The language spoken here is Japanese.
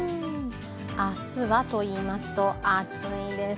明日はといいますと、暑いです。